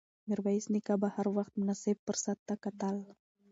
میرویس نیکه به هر وخت مناسب فرصت ته کتل.